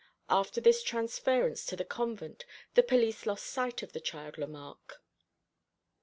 After this transference to the convent the police lost sight of the child Lemarque.